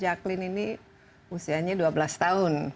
jaklin ini usianya dua belas tahun